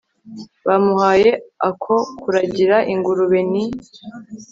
bamuhaye ako kuragira ingurube, ni